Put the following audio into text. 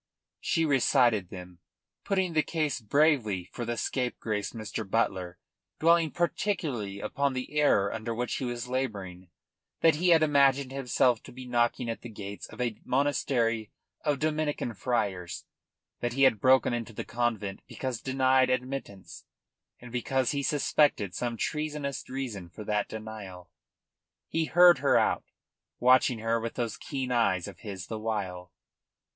She recited them, putting the case bravely for the scapegrace Mr. Butler, dwelling particularly upon the error under which he was labouring, that he had imagined himself to be knocking at the gates of a monastery of Dominican friars, that he had broken into the convent because denied admittance, and because he suspected some treacherous reason for that denial. He heard her out, watching her with those keen eyes of his the while.